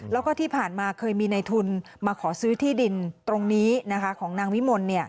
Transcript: แล้วก็ที่ผ่านมาเคยมีในทุนมาขอซื้อที่ดินตรงนี้ของนางวิมล